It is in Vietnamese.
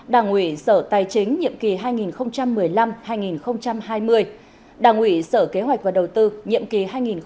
đảng ủy sở tài chính nhiệm kỳ hai nghìn một mươi năm hai nghìn hai mươi đảng ủy sở kế hoạch và đầu tư nhiệm kỳ hai nghìn một mươi năm hai nghìn hai mươi